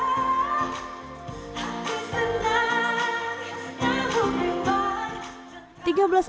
aku cintakan aku senang kamu berhubung